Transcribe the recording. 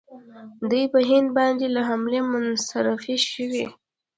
دوی په هند باندې له حملې منصرفې شوې.